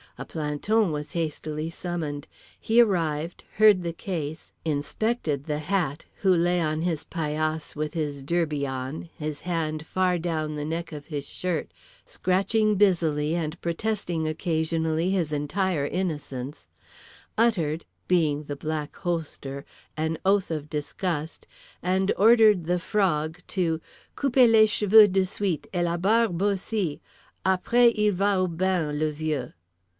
A planton was hastily summoned. He arrived, heard the case, inspected The Hat (who lay on his paillasse with his derby on, his hand far down the neck of his shirt, scratching busily and protesting occasionally his entire innocence), uttered (being the Black Holster) an oath of disgust, and ordered The Frog to "couper les cheveux de suite et la barbe aussi; après il va au bain, le vieux."